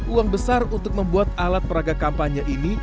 uang besar untuk membuat alat peraga kampanye ini